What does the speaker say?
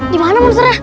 di mana monsternya